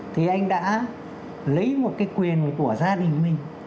thì anh đã lấy một cái quyền của gia đình mình